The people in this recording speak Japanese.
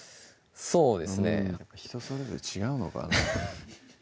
そうですね人それぞれ違うのかな？